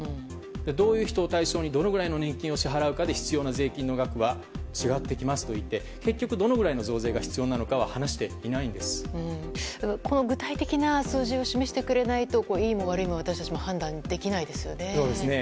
どういう人を対象にどのくらいの年金を支払うかで必要な税金の額は違ってきますということで結局、どのぐらいの増税が必要なのかは具体的な数字を示してくれないといいも悪いも、私たちは判断できないですよね。